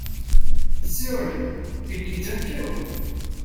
Surely it isn't true?